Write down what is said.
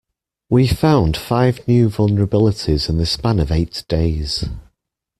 We found five new vulnerabilities in the span of eight days.